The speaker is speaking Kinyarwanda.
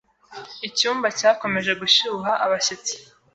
Icyumba cyakomeje gushyuha abashyitsi.